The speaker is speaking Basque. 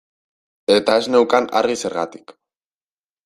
Eta ez neukan argi zergatik.